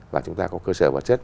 và chúng ta có cơ sở vật chất